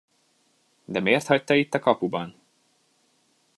De mért hagyta itt a kapuban?